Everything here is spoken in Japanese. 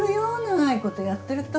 長いことやってると。